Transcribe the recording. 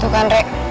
tuh kan rek